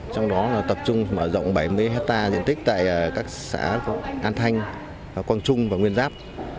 trong đó tập trung mở rộng bảy mươi hectare diện tích tại các xã an thanh quang trung và nguyên giáp